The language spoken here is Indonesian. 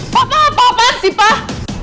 papa apaan sih pak